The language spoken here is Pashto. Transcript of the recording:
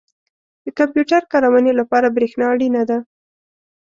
• د کمپیوټر کارونې لپاره برېښنا اړینه ده.